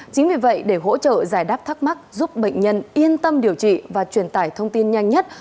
chính vì vậy để hỗ trợ giải đáp thắc mắc giúp bệnh nhân yên tâm điều trị và truyền tải thông tin nhanh nhất